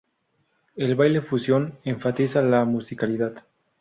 El baile fusión enfatiza la musicalidad.